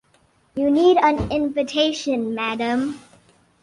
You need an invitation, madam.